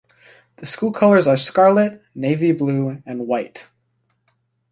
The school colors are scarlet, navy blue and white.